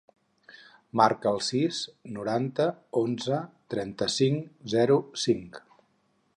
Marca el sis, noranta, onze, trenta-cinc, zero, cinc.